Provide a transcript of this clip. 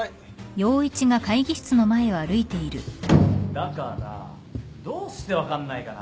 ・・だからどうして分かんないかな。